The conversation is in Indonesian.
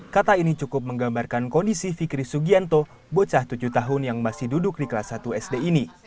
kata ini cukup menggambarkan kondisi fikri sugianto bocah tujuh tahun yang masih duduk di kelas satu sd ini